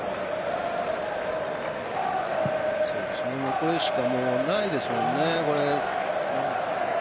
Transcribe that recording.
これしかないですもんね。